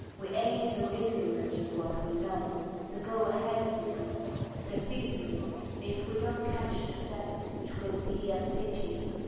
We ain't so ignorant of what we know; So go ahead, Signor—prestissimo! Ef we don't catch the sense 'twill be a pity."